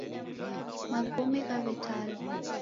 Magome ghaw'etalwa.